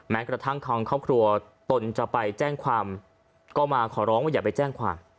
กระทั่งทางครอบครัวตนจะไปแจ้งความก็มาขอร้องว่าอย่าไปแจ้งความ